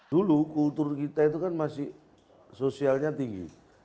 dulu kultur kita itu kan masih sosialnya tinggi